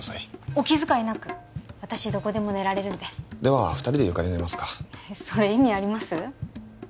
お気遣いなく私どこでも寝られるんででは二人で床に寝ますかそれ意味あります？